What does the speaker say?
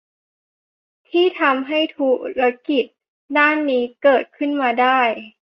ที่ทำให้ธุรกิจด้านนี้เกิดขึ้นมาได้